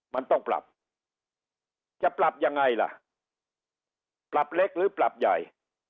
มันต้องปรับจะปรับยังไงล่ะปรับเล็กหรือปรับใหญ่